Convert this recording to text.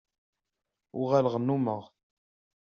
Uɣaleɣ nnumeɣ-t.